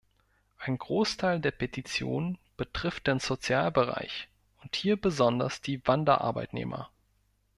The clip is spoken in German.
Ein Großteil der Petitionen betrifft den Sozialbereich und hier besonders die Wanderarbeitnehmer.